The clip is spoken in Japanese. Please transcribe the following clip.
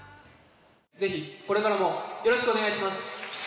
ぜひこれからもよろしくお願いします。